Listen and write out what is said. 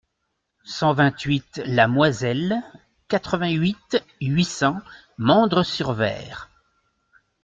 cent vingt-huit la Moiselle, quatre-vingt-huit, huit cents, Mandres-sur-Vair